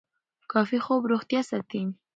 کافي خوب روغتیا ساتي.